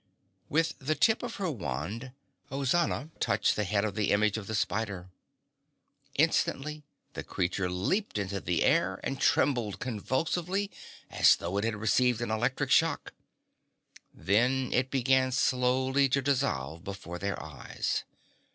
With the tip of her wand, Ozana touched the head of the image of the spider. Instantly, the creature leaped into the air and trembled convulsively, as though it had received an electric shock. Then it began slowly to dissolve before their eyes.